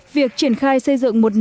việc triển khai xây dựng một nền